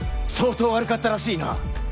相当悪かったらしいな。